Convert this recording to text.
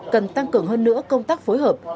cần tăng cường hơn nữa công tác phối hợp